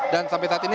dan sampai saat ini